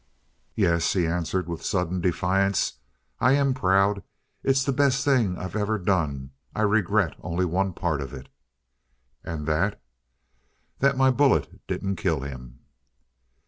"Yes," he answered with sudden defiance, "I am proud. It's the best thing I've ever done. I regret only one part of it." "And that?" "That my bullet didn't kill him!"